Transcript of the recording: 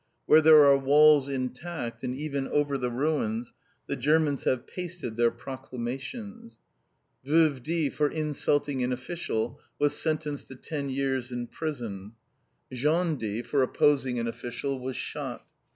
Where there are walls intact, and even over the ruins, the Germans have pasted their proclamations. Veuve D. for insulting an official was sentenced to ten years in prison. Jean D. for opposing an official, was shot.